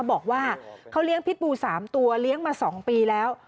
บอกว่าเขาเลี้ยงพิษบู๓ตัวเลี้ยงมา๒ปีแล้ว